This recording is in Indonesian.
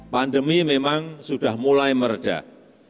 pandemi memang sudah mulai meredah